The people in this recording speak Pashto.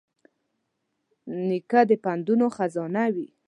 نیکه د پندونو خزانه وي.